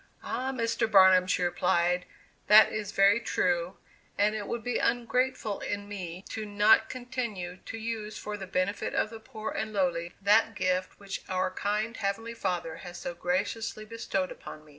"Ah! Mr. Barnum," she replied, "that is very true, and it would be ungrateful in me to not continue to use for the benefit of the poor and lowly, that gift which our kind Heavenly Father has so graciously bestowed upon me.